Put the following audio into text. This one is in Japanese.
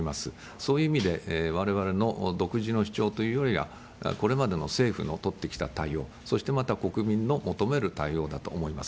そういう意味で、われわれの独自の主張というよりは、これまでの政府の取ってきた対応、そしてまた国民の求める対応だと思います。